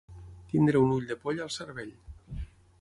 Tenir un ull de poll al cervell.